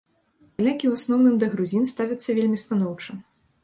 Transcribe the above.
Палякі ў асноўным да грузін ставяцца вельмі станоўча.